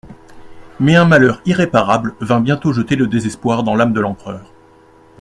Mais un malheur irréparable vint bientôt jeter le désespoir dans l'âme de l'empereur.